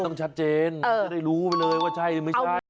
ดูกันดูเลยว่าใช่ไม่ใช่